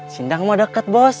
sindang mau deket bos